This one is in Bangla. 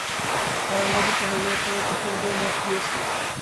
হারানবাবু কহিলেন, তিনি তো পূর্বেই মত দিয়েছেন।